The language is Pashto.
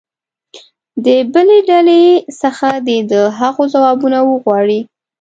د بلې ډلې څخه دې د هغو ځوابونه وغواړي.